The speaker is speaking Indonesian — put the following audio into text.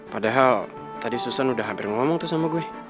padahal tadi susan udah hampir ngomong tuh sama gue